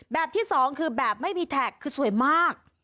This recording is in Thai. ที่สองคือแบบไม่มีแท็กคือสวยมาก